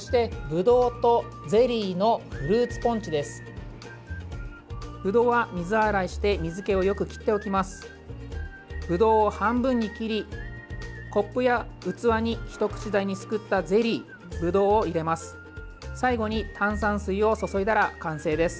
ブドウを半分に切りコップや器に一口大に作ったゼリー、ブドウを入れます。